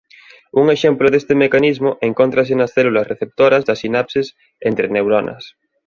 Un exemplo deste mecanismo encóntrase nas células receptoras das sinapses entre neuronas.